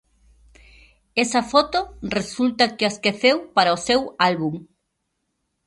Esa foto resulta que a esqueceu para o seu álbum.